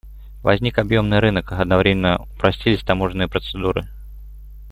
Возник объемный рынок, одновременно упростились таможенные процедуры.